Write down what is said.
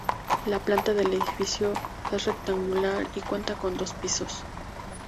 La planta del edificio es rectangular y cuenta con dos pisos.